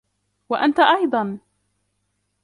وأنت أيضًا.